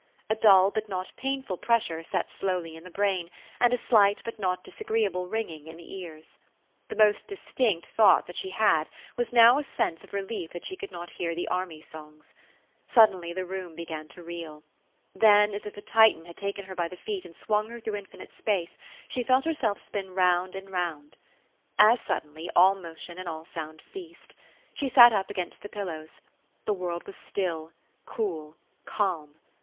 A dull but not painful pressure set slowly in the brain, and a slight but not disagreeable ringing, in the ears. The most distinct thought that she had was now a sense of relief that she could not hear the army songs. Sud denly the room began to reel. Then, as if a Titan had taken her by the feet, and swung her through infinite space, she felt herself spin round and round. As suddenly all motion and all sound ceased. She THE STORY OF AVIS. 145 sat up against the pillows. The world was still, cool, calm.